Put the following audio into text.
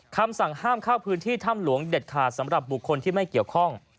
คำสั่งห้ามเข้าพื้นที่ถ้ำหลวงเด็ดขาดสำหรับบุคคลที่ไม่เกี่ยวข้อง